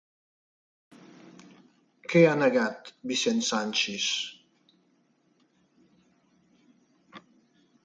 Què ha negat Vicent Sanchis?